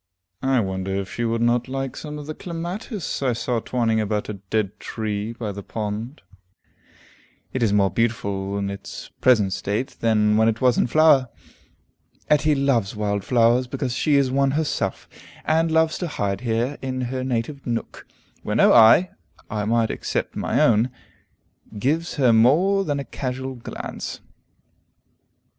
I wonder if she would not like some of the clematis I saw twining about a dead tree by the pond. It is more beautiful in its present state than when it was in flower. Etty loves wild flowers because she is one herself, and loves to hide here in her native nook, where no eye (I might except my own) gives her more than a casual glance.